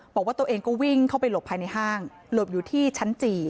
บอกว่าตัวเองก็วิ่งเข้าไปหลบภายในห้างหลบอยู่ที่ชั้น๔